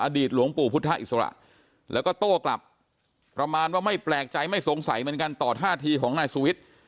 หลวงปู่พุทธอิสระแล้วก็โต้กลับประมาณว่าไม่แปลกใจไม่สงสัยเหมือนกันต่อท่าทีของนายสุวิทย์